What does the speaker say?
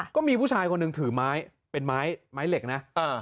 ก็มีผู้ชายคนหนึ่งถือไม้เป็นไม้เหล็กนะ